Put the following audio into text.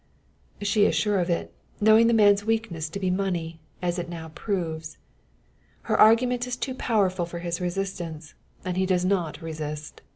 She is sure of it, knowing the man's weakness to be money, as it now proves. Her argument is too powerful for his resistance, and he does not resist.